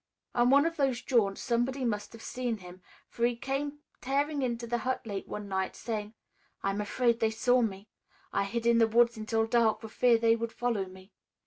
On one of those jaunts somebody must have seen him, for he came tearing into the hut late one night saying, 'I am afraid they saw me! I hid in the woods until dark for fear they would follow me.